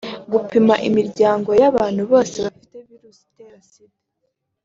gupima imiryango y’abantu bose bafite virusi itera Sida